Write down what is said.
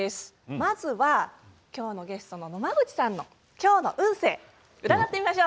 まずは今日のゲストの野間口さんの今日の運勢占ってみましょう。